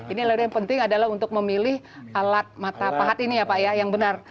ini lalu yang penting adalah untuk memilih alat mata pahat ini ya pak ya yang benar